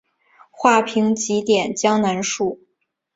画屏几点江南树。